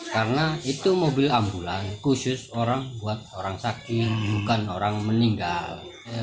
karena itu mobil ambulan khusus orang buat orang sakit bukan orang meninggal